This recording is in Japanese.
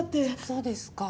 そうですか。